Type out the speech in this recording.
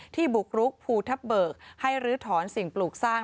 บุกรุกภูทับเบิกให้ลื้อถอนสิ่งปลูกสร้าง